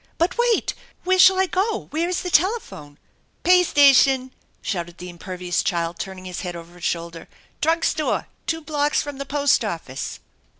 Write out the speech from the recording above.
"But, wait! Where shall I go? Where is the telephone ?"< Pay station !" shouted the impervious child, turning his head over his shoulder, " Drug store ! Two blocks from the post office!"